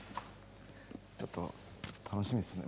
ちょっと楽しみですね。